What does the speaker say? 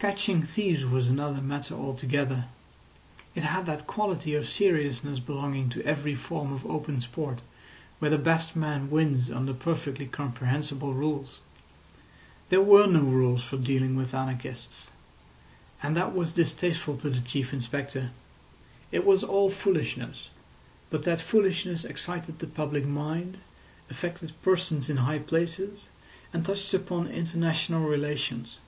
Catching thieves was another matter altogether. It had that quality of seriousness belonging to every form of open sport where the best man wins under perfectly comprehensible rules. There were no rules for dealing with anarchists. And that was distasteful to the Chief Inspector. It was all foolishness, but that foolishness excited the public mind, affected persons in high places, and touched upon international relations.